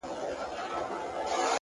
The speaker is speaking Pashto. ماته يې په نيمه شپه ژړلي دي ـ